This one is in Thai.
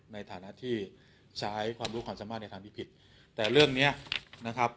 ในฐานะที่ใช้ความรู้ความสามารถในทางที่ผิดแต่เรื่องเนี้ยนะครับ